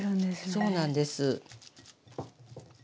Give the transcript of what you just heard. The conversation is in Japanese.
そうなんです。